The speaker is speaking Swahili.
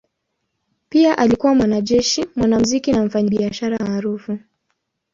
Pia alikuwa mwanajeshi, mwanamuziki na mfanyabiashara maarufu.